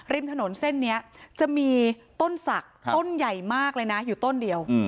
ริมถนนเส้นนี้จะมีต้นศักดิ์ต้นใหญ่มากเลยนะอยู่ต้นเดียว